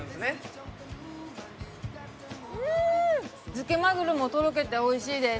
漬けまぐろもとろけておいしいです。